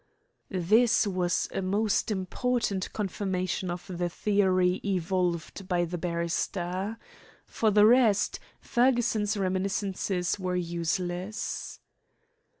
This was a most important confirmation of the theory evolved by the barrister. For the rest, Fergusson's reminiscences were useless.